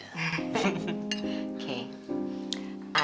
itu nggak nyanyikan macam gw bilang ya